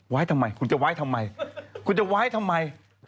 ไว้ไว้ทำไมคุณจะไว้ทำไม